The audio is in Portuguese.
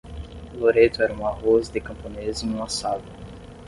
Loreto era um arroz de camponês e um assado.